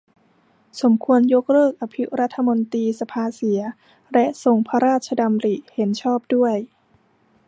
สมควรจะเลิกอภิรัฐมนตรีสภาเสีย และทรงพระราชดำริเห็นชอบด้วย